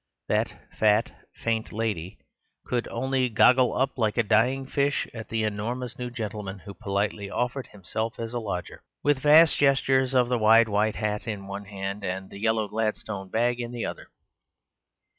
That fat, faint lady could only goggle up like a dying fish at the enormous new gentleman, who politely offered himself as a lodger, with vast gestures of the wide white hat in one hand, and the yellow Gladstone bag in the other.